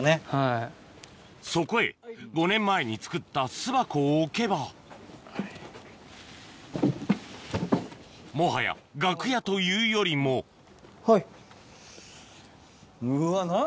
そこへ５年前に作った巣箱を置けばもはや楽屋というよりもはい。